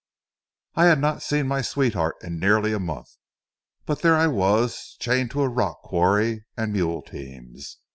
I had not seen my sweetheart in nearly a month, but there I was, chained to a rock quarry and mule teams.